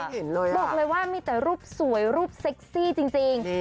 บอกเลยว่ามีแต่รูปสวยรูปเซ็กซี่จริง